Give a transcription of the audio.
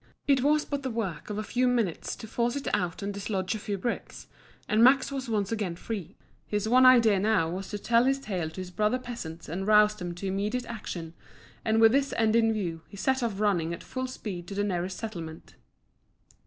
It was but the work of a few minutes to force it out and to dislodge a few bricks, and Max was once again free. His one idea now was to tell his tale to his brother peasants and rouse them to immediate action, and with this end in view he set off running at full speed to the nearest settlement.